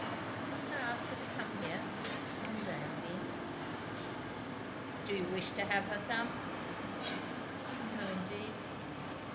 "Must I ask her to come here? Monday, I mean?" "Do you wish to have her come?" "Oh no, indeed!"